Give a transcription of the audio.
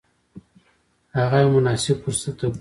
هغه یو مناسب فرصت ته ګوري.